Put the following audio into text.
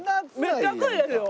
めっちゃ熱いですよ。